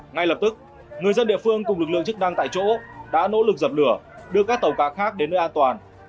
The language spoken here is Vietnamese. ngay lập tức người dân địa phương cùng lực lượng chức năng tại chỗ đã nỗ lực dập lửa đưa các tàu cá khác đến nơi an toàn